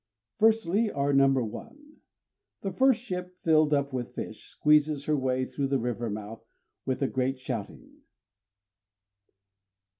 _ Firstly (or "Number One"), The first ship, filled up with fish, squeezes her way through the river mouth, with a great shouting.